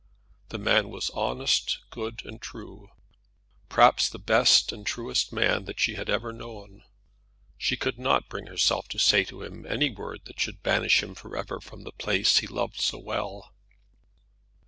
The man was honest, good, and true, perhaps the best and truest man that she had ever known. She could not bring herself to say to him any word that should banish him for ever from the place he loved so well.